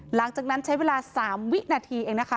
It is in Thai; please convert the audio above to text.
หลังจากนั้นใช้เวลา๓วินาทีเองนะคะ